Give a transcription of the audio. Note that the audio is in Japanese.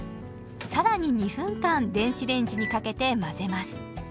更に２分間電子レンジにかけて混ぜます。